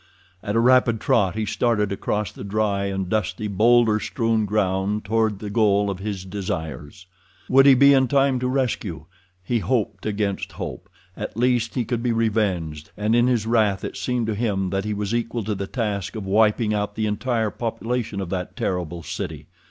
At a rapid trot he started across the dry and dusty, bowlder strewn ground toward the goal of his desires. Would he be in time to rescue? He hoped against hope. At least he could be revenged, and in his wrath it seemed to him that he was equal to the task of wiping out the entire population of that terrible city.